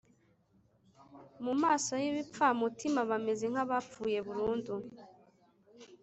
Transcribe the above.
Mu maso y’ibipfamutima bameze nk’abapfuye burundu,